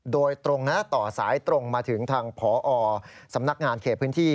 โดยตรงนะต่อสายตรงมาถึงทางพอสำนักงานเขตพื้นที่